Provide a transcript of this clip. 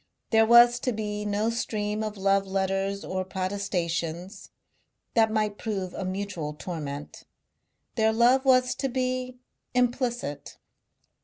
There was to be no stream of love letters or protestations. That might prove a mutual torment. Their love was to be implicit.